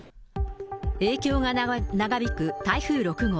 影響が長引く台風６号。